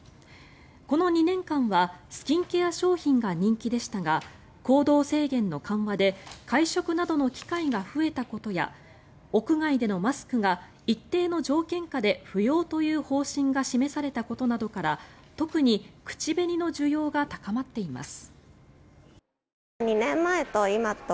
この２年間はスキンケア商品が人気でしたが行動制限の緩和で会食などの機会が増えたことや屋外でのマスクが一定の条件下で不要という方針が示されたことなどから特に口紅の需要が高まっています。